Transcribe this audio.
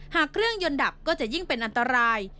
หากเครื่องยนต์ดับก็จะยิ่งเป็นอันตราย